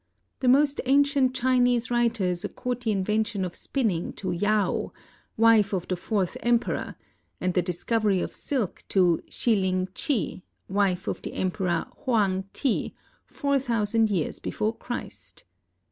The most ancient Chinese writers accord the invention of spinning to Yao, wife of the fourth emperor, and the discovery of silk to Si ling chi, wife of the Emperor Hoang ti, four thousand years before Christ.